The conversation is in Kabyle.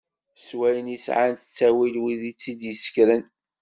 S wayen i sɛan d ttawil wid i t-id-yessekren.